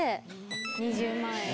２０万円で。